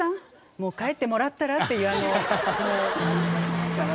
「もう帰ってもらったら？」っていうあの。